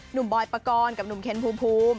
หนุ่มบอยปรากอลกับนุ่มเคนภูมิภูมิ